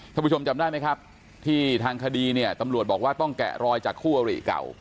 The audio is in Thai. ผู้ชมจำได้ไหมครับที่ทางคดีเนี่ยตำรวจบอกว่าต้องแกะรอยจากคู่อริเก่า